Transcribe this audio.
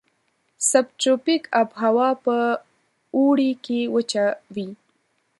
سب تروپیک آب هوا په اوړي کې وچه وي.